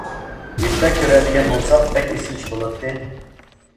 ھېيتتا كۆرەلىگەن بولساق بەك ئېسىل ئىش بولاتتى.